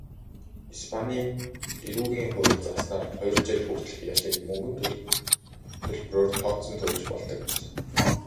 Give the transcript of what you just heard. Испанийн эрүүгийн хуульд зааснаар хоёр жил хүртэлх ялыг мөнгөн төлбөрөөр тооцон төлж болдог аж.